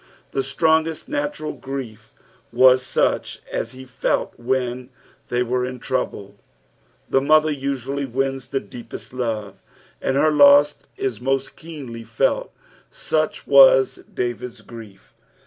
The strongest natural grief was such as he felt when they were in trouble. The mother usually wins the deepest love, and her loss is most keenly felt ; auch was David's grief.